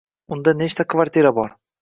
Unda nechta kvartira bor?